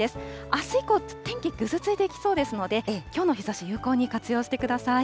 あす以降、ちょっと天気ぐずついてきそうですので、きょうの日ざし、有効に活用してください。